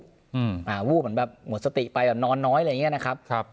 อืมอ่าวูบเหมือนแบบหมดสติไปแบบนอนน้อยอะไรอย่างเงี้ยนะครับครับ